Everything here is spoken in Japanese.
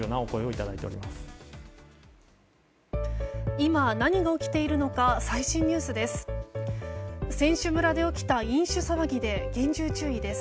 今、何が起きているのか最新ニュースです。